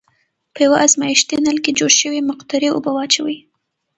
په یوه ازمیښتي نل کې جوش شوې مقطرې اوبه واچوئ.